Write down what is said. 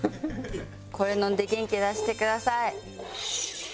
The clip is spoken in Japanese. これ飲んで元気出してください。